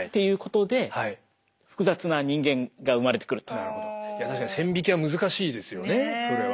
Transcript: ただしそこに確かに線引きは難しいですよねそれは。